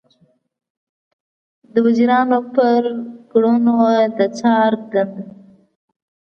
د وزیرانو پر کړنو د څار دنده